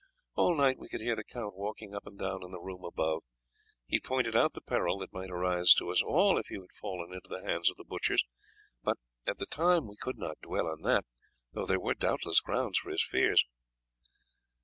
All night we could hear the count walking up and down in the room above. He had pointed out the peril that might arise to us all if you had fallen into the hands of the butchers, but at the time we could not dwell on that, though there were doubtless grounds for his fears."